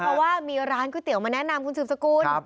เพราะว่ามีร้านก๋วยเตี๋ยมาแนะนำคุณสืบสกุล